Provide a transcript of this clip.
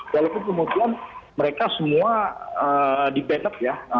walaupun kebetulan mereka semua di ban up ya